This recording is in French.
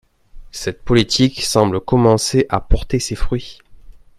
Cette politique semble commencer à porter ses fruits.